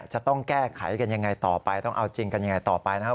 จะต้องแก้ไขกันยังไงต่อไปต้องเอาจริงกันยังไงต่อไปนะครับ